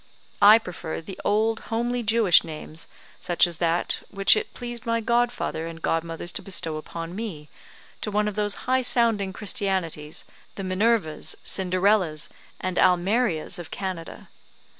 I prefer the old homely Jewish names, such as that which it pleased my godfather and godmothers to bestow upon me, to one of those high sounding christianities, the Minervas, Cinderellas, and Almerias of Canada.